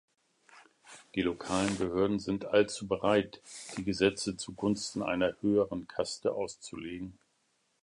Die lokalen Behörden sind allzu bereit, die Gesetze zu Gunsten einer höheren Kaste auszulegen.